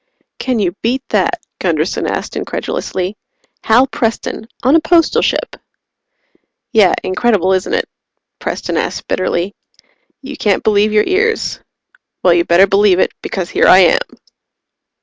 "Can you beat that?" Gunderson asked incredulously. "Hal Preston, on a Postal ship." "Yeah. Incredible, isn't it?" Preston asked bitterly. "You can't believe your ears. Well, you better believe it, because here I am."